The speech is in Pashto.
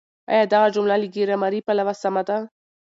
آيا دغه جمله له ګرامري پلوه سمه ده؟